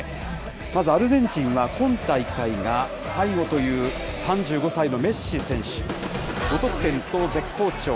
まずアルゼンチンは、今大会が最後という、３５歳のメッシ選手。５得点と絶好調。